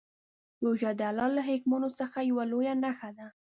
روژه د الله له حکمونو څخه یوه لویه نښه ده.